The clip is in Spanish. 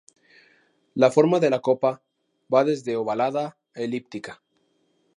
La forma de la copa va desde ovalada a elíptica.